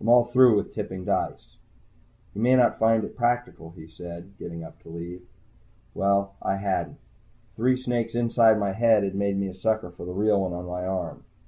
I'm all through tipping dice." "You may not find it practical," he said, getting up to leave. Well, I hadn't. Three snakes inside my head had made me a sucker for the real one on my arm.